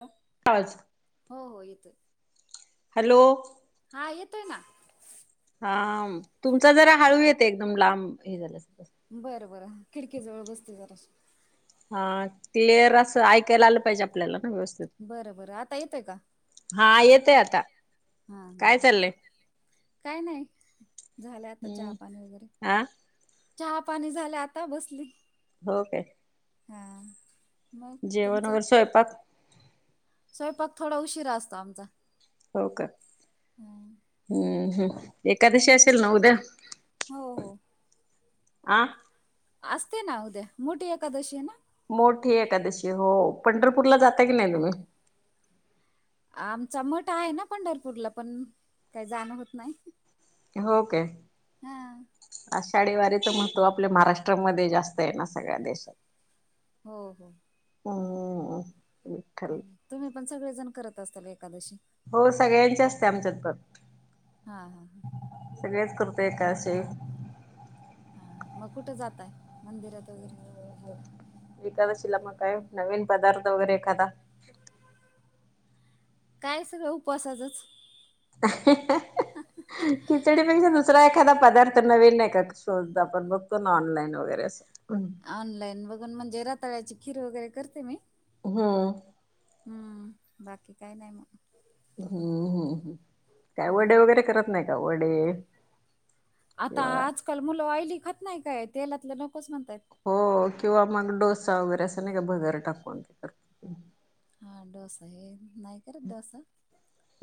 अ पाच. हो हो येतोय. हॅलो. हा येतोय ना. हाम तुमचा जरा हळू येते एकदम लांब हे झालंस त बरं बरं खिडकी जवळ बसते जराशी हा क्लिअर असं ऐक. त्याला आलं पाहिजे आपल्याला ना व्यवस्थित, बरं बरं आता येतोय का हा येतय आता. हा हा काय चाललंय ह- काही नाही झालं आता चहा हम्म पाणी वगैरे- हा चहा पाणी झाले आता बसलीत. हो काय. हां. जेवण वर स्वयंपाक. स्वयंपाक थोडा उशीरा असतो आमचा. हो का, हं. हम्म ह- एकादशी असेल ना उद्या, हो हो आ. असते ना उद्या, मोठीे एकादशीय ना. मोठी एकादशी हो, पंढरपूरला जाता की नाही तुम्ही. आमचा मोठा आहे ना पंढरपूरला पण काही जाणं होत नाही. हो काय. हा आषाढी वारीच महत्व आपल्या महाराष्ट्रामध्ये जास्त आहे ना सगळ्या देशात. हो हो. हम ह. तुम्ही पण सगळेजण करत असताल एकादशी- हो सगळ्यांचे असते आमच्यात त. हा हा हा सगळेच करतो एकादशी- हा मग कुठं जाताय मंदिरात वगैरे- एकादशीला मग काय नवीन पदार्थ वगैरे एखादा? काय सगळं उपवासाचचं. खिचडीपेक्षा नस दुसरा एखादा पदार्थ नवीन नाही का शोधला? आपण बघतो ना ऑनलाईन वगैरे अस. ऑनलाईन बघून म्हणजे रातळ्याची खीर वगैरे करते मी. हम्म! हम्म, बाकी काही नाही मग. हम्म हम्म हम्, काय वडे हम्म. वगैरे करत नाही का? वडे. आता किंवा आजकाल मुलं ऑइली खात नाही काय तेलातलं नकोच म्हणतयात. हो किंवा मग डोसा वगैरे असं नाही का भगर टाकून. हा डोसा आहे, नाही करत डोसा.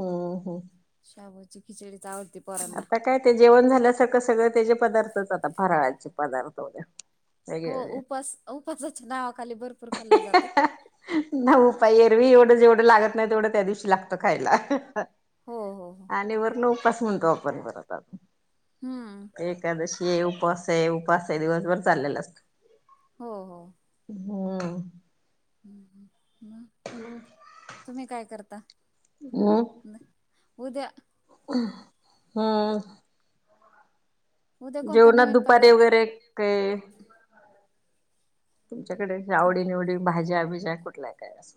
हम्म हम्म शबूची खिचडीच आवडते. आता काय ते जेवण झाल्यासारखं सगळं त्याचे पदार्थच आता फराळाचे पदार्थ वगैरे. वेगळे हो वेगळे उपास उपासाच्या नावाखाली भरपूर खल्लं जातं. ना उपाय एरवी एवढं जेवढं लागत नाही तेवढं त्या दिवशी लागतं खायला हो हो हो! आणि वरण उपवास म्हणतो आपण परत आता. हम्म! एकादशी आहे, उपास आहे उपास आहे दिवसभर चाललेल असतो. हो हो! हम्म! हम तुम्ही काय करता? हम् [inaudible] उद्या हम्म! उद्या कोणता जेवणात नवीन दुपारी पदार्थ वगैरे काय? तुमच्याकडे आवडी निवडी भाज्या बिज्या कुठल्यात आज?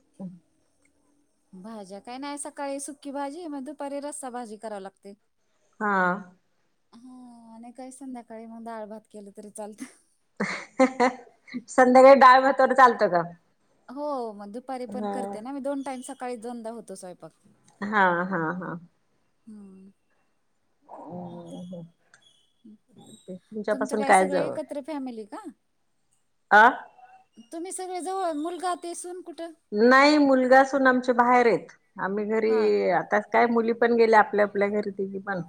भाज्या काय नाही सकाळी सुकी भाजी मग दुपारी रस्सा भाजी कराव लागते. हा! हं आणि काय संध्याकाळी मग दाळभात केलं तरी चालतं. संध्याकाळी डाळ भातावर चालतं का? हो, मग दुपारी पण करते हा ना मी दोन टाइम सकाळी दोनदा होतो स्वयंपाक. हा हा हा! हम्म! तुमचं तुमच्यापासून काय सगळं जवळ एकत्र फॅमिली का? आ? तुम्ही सगळे जवळ मुलगा ते सून कुठं? नाही मुलगा सून आमचे बाहेर आहेत आम्ही घरी हा आता काय मुली पण गेल्या आपल्या आपल्या घरी तिनी पण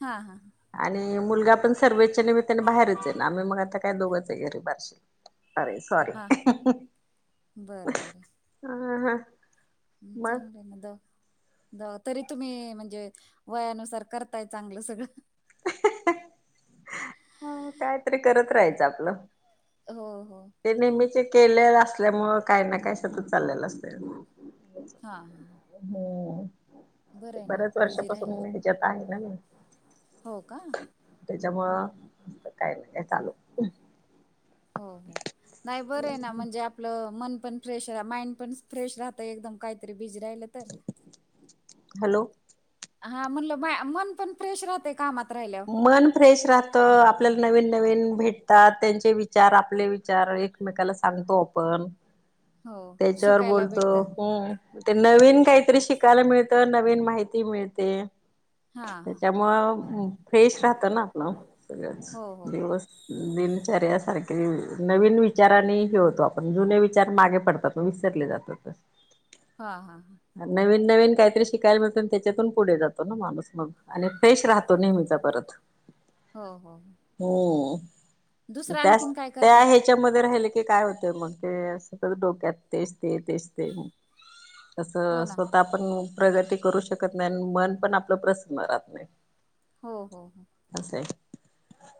हा हा! आणि मुलगा पण सर्व्हिच्या निमित्ताने बाहेरच आहे ना आम्ही मग आता काय दोघंच आहे घरी बार्शीला. अरे हा सॉरी! बरं बरं! ह हा! हम्, चांगले ना दोघे. जा तरी तुम्ही म्हणजे वयानुसार करताय चांगलं सगळं. कायतरी करत राहायचं आपलं. हो हो. ते नेहमीचे केले असल्यामुं काय ना काय सतत चाललेल असत. हा-हा. हम्म ते बऱ्याच बिझी वर्षापासून राहिलं म्याच्यात आहे ना मी. हो का. त्याच्यामुंत काय नाही का चालू. हो हो नाही बरं ना म्हणजे आपलं मन पण फ्रेश माइंड पण फ्रेश राहत एकदम काहीतरी बिज राहिल. हॅलो. हा म्हटलं मन पण फ्रेश राहते कामात. राहिल्यावर मन फ्रेश राहत. तर आपल्याला नवीन नवीन भेटतात त्यांचे विचार आपले विचार एकमेकाला सांगतो आपण. हो त्याच्यावर शिकायला बोलतो. भेटतं ते नवीन काहीतरी शिकायला मिळतं नवीन माहिती मिळते. हा हा त्याच्यामुळे फ्रेश राहत ना आपलं सगळंच हो हो हो दिवस. दिनचर्या सारखे नवीन विचाराने हे होतो आपण जुने विचार मागे पडतात. स विसरले जातात. हा-हा-ह. नवीन नवीन काहीतरी शिकायला मिळतो त्याच्यातून पुढे जातो ना माणूस मग आणि फ्रेश राहतो नेहमीच. परत. हो, हो! होम दुसरं त्याच आणखीन काय त्या करतात ह्याच्यामध्ये राहिले की काय होत मग ते सतत डोक्यात तेच ते तेच ते. हो तसं ना स्वतः पण प्रगती करू शकत नाही आणि मन पण आपलं प्रसन राहत नाही. हो, हो, हो! असं.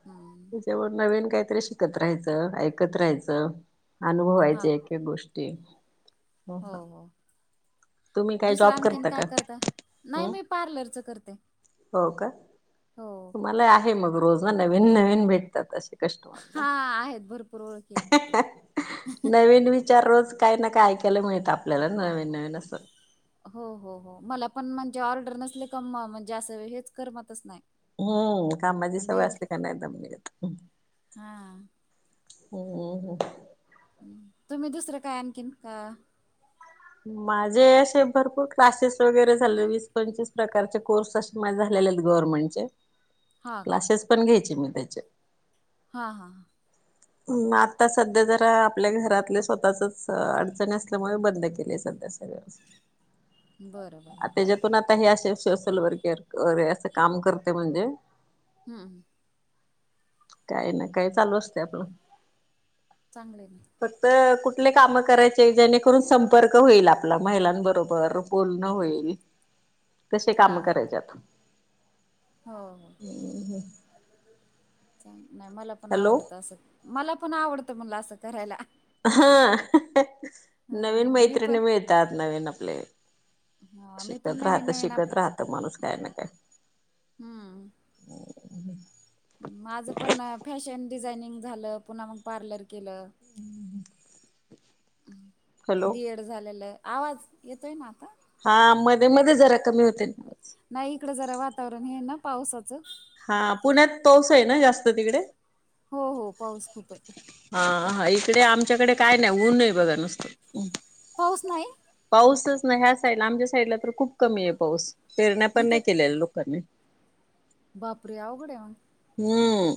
नाही. त्याच्यावर नवीन काहीतरी शिकत राहायचं ऐकत राहायचं अनुभवायच. हा ह्या गोष्टी हो, हो, तुम्ही काय दुसरं जॉब आणखीन काय का? करता? नाही हम्म मी पार्लरचं करते. हो का हो तुम्हाला आहे मग रोज ना नवीन नवीन भेटतात असे. कष्टवान हा आहेत भरपूर ओळखी आहेत नवीन विचार. रोजच्या रोज काही ना काय ऐकायला मिळत आपल्याला नवीन नवीन असं. हो, हो, हो मला पण म्हणजे, ऑर्डर नसले क म्हणजे असं हेच करमतच नाही. हम्म कामाची हा, सवय डेल असली का नाही दम निघत. हा हम्मम हम्! तुम्ही दुसरं काय आणखीन का? माझे असे भरपूर क्लासेस वगैरे झाले वीस पंचवीस प्रकारचे कोर्स असतात. माझं झालेले आहेत गव्हर्मेंटचे. य. क्लासेस पण घ्यायचे मी त्याचे. हा! हा! आता सध्या जरा आपल्या घरातले स्वतःचच अडचणी असल्यामुळे बंद केली सध्या. बरं बरं आ. आपण आता हे असे सोशल वर्क अरे असं काम करते म्हणजे? हम्म. काय ना काय चालू असते आपलं. चांगले आहे. फक्त कुठले काम करायचे जेणेकरून संपर्क होईल आपला महिलांबरोबर बोलणं होईल. [unintelligible] तसे हा काम हा करायच्यात? हो हो! हम्म. चांग नाही मला पण हॅलो आवडतं असं मला पण आवडतं म्हला असं करायला. हा ह नवीन मी पण मैत्रिणी मिळतात. त्यात नवीन आपले ह मी पण शिकत नवीन राहत नवीन शिकत आपलं राहत माणूस काय ना काय.. हमम. माझं पण फॅशन डिझाइनिंग झालं पुन्हा मग पार्लर केलं. [unintelligible] हॅलो डीएड झालेला आवाज येतोय ना आता? हा मध्ये- मध्ये जरा कमी होते. नाही इकडं जरा वातावरण हे ना पावसाचं. हा पुण्यात तोस आहे ना जास्त तिकडे? हो हो पाऊस खूप आहे. हा हा इकडे आमच्याकडे काय नाही ऊन आहे बघा नुसतं. पाऊस नाही? पाऊसच ना ह्या साईडला आमच्या साईडला तर खूप कमी आहे पाऊस पेरण्या पण नाही केलेल्या लोकांनी. बाप रे अवघड आहे मग. हम्म.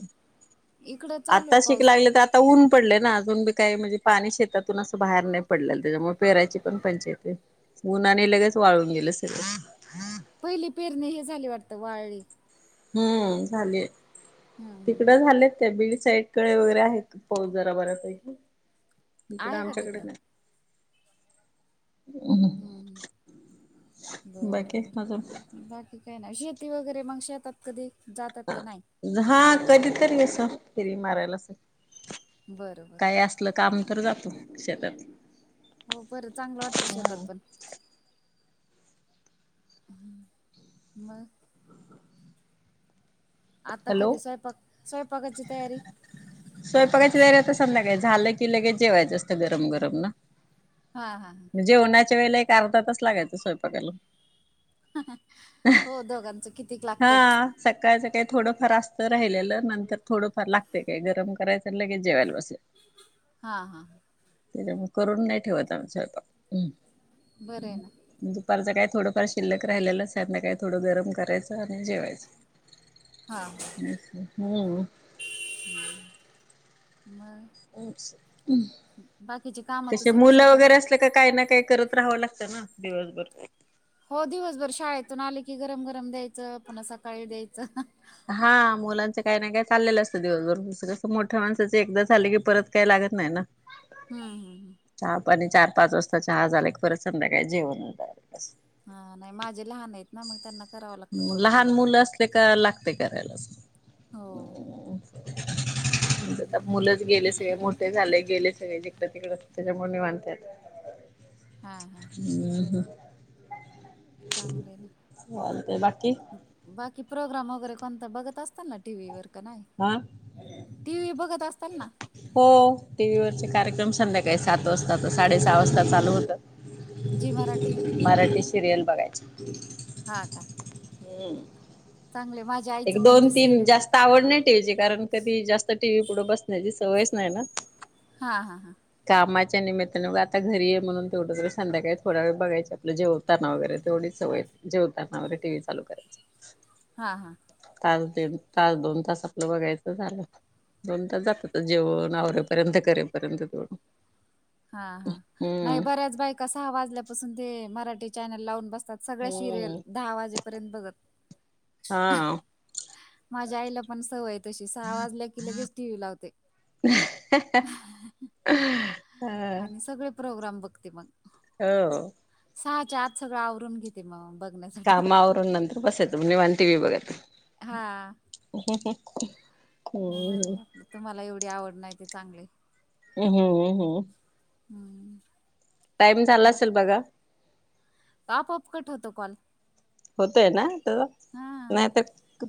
इकडं चालू आहे आत्ता शिक पाऊस लागले तर आता. ता ऊन पडले ना अजून बी काही म्हणजे पाणी शेतातून असं बाहेर नाही पडले त्याच्यामुळे पेरायची पण पंचयत. उनानी आणि लगेच वाळून गेला सगळं. पहिले पेरणे हे झाले वाटतं वाळळी. हम्म झाली हम्म तिकडं झाले. त्या बीड साईडकडे वगैरे आहेत पाऊस जरा बऱ्यापैकी इकडं आहे का आमच्याकडे तिकडं नाही. हम्म हम्म बर बाकी अजून बर बाकी ठीकय ना शेती वगैरे मग शेतात कधी जातात का नाही? हा कधीतरी असस फिरी मारायला अस बरं बरं काय असत. आपलं काम तर जातो शेतात. हो बरं चांगलं वाटतं शेतात पण. हम्म मग. आता हॅलो कधी स्वयंपाक स्वयंपाकाची तयारी स्वयंपाकायची तयारी आता संध्याकाळी झालं की लगेच जेवायचं असत गरम गरम ना. हा हा हा. जेन्हाच्या वेळेला एक अर्धा तच लागायच स्वयंपाला. हो दोघांचं किती. हा. सकाळचं काही थोडंफार असतं राहिलेलं नंतर थोडंफार लागते काही गरम करायचं लगेच जेवायला बसेल. हा हा त्याच्यामुळे करून नाही ठेवत आमच्या बरं हाय ना. दुपारचं काय थोडंफार शिल्लक राहिलेलं अससात ना का थोडं गरम करायचं आणि जेवायचं. हा [inaudible] असं, हो. [unintelligible] मग. बाकीची [inaudible] कामं तर तसे सगळे मुलं स्वतः वगैरे असलं क काही ना काय करत राहावं लागतं ना दिवसभर. हो दिवसभर शाळेतून आले की गरम-गरम द्यायचं पण सकाळी द्यायचं. हा मुलांचं काही ना काय चाललेलं असतं दिवसभरसं कसं मोठ्या माणसाचे एकदा झाले की परत काय लागत नाही ना. [inaudible] हम्म हम् हम्. चहा, पाणी चार-पाच वाजता चहा झाल्या की परत संध्याकाळी जेवण. हा नाही माझे लहान आहेत ना मग त्यांना करावं लागतं मग थोडं लहान थोडं काय मुलं ते असते कराय लागते करायलाच. हो [inaudible] मुलंच गेले सगळे मो ते झाले गेले सगळे जिकड-तिकड त्याच्यामुळे निवांत आहे. हा हा [inaudible] हा ब ह, चांगले आहे ना. चालतंय बाकी [inaudible] बाकी प्रोग्राम वगैरे कोणता बघत असता ना टीव्हीवर क नाही, हा टी व्ही बघत असताल ना? हो टीव्ही वरचे कार्यक्रम संध्याकाळी सात वाजताचा, साडे सहा वाजता चालू होत. जी मराठी मराठी सिरियल बघायच. [inaudible] हा का? हम्. चांगले माझ्या आईचं पण ते सेडेल. जास्त आवड नाही टीव्हीची कारण कधी जास्त टीव्ही पुढे बसण्याची सवयच नाही ना. हा हा हा. कामाच्या निमित्तानेंग आता घरी आहे म्हणून तेवढं तर संध्याकाळी थोडा वेळ बघायच आपलं जेवण ताणा वगैरे तेवढीच सवय जेवताणा वगैरे टीव्हीचालू करायचं. [inaudible] हा हा. तास, दीड तास, दोन तास आपलं बघायचं झालं. दोन तास जातात जेवण आवरेपर्यंत, करेपर्यंत तेव हा हा नाही बऱ्याच बायका सहा वाजल्यापासून ते मराठी चॅनेल लावून बसतात. सगळ्या शिरियल हम्म. दहा वाजेपर्यंत बघत. हा. माझ्या आईला पण सवय तशी सहा वाजल्या की लगेच टीव्ही लावते. [unintelligible] [unintelligible] आणि सगळे प्रोग्राम बघते मग. हो. सहाच्या आत सगळं आवरून घेते मग, बघण्यास कामा आवरुन नंतर बसेत म निवांत टिवी बगत. हा. ह ह [unintelligible] बर बर तुम्हाला एवढी आवड नाही ते चांगली. ओ हो ओ हो हम्म टाइम झाला बा असेल बघा आपोआप कट होतो कॉल. होतय ना हा नाहीतर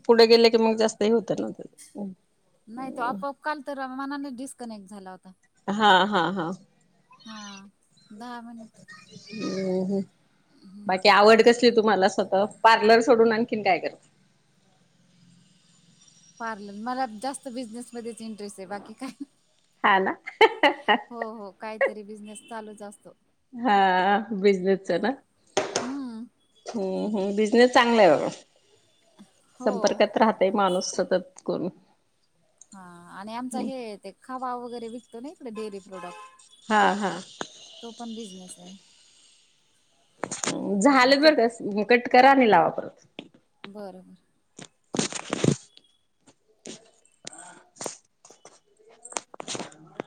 पुढे गेले की मग जास्त हे होतं ना ते. नाही तो आपोआप काल तर मनाने डिस्कनेक्ट झाला होता. हा हा हा हा दहा मिनिट. हम्म हं बाकी आवड कस तुम्हाला स्वतः पार्लर सोडून आणखीन काय करता? पार्लर मला जास्त बिझनेस मध्येच इंटरेस्ट आहे बाकी काय हा ना. हो हो काहीतरी बिझनेस चालूच असतो. हा बिझनेसच ना हा. हम्म हम् बिझनेस चांगला आहे बघा हो संपर्कात राहा तय माणूस सातत कोण हा आणि आमचा हे ते खावा वगैरे विकतो ना इकडे डेअरी प्रोडक्ट हां हां तो पण बिझनेस आहे मग झालं तो बर का कट करा नि लावा परत बरं बरं ठीक [inaudible]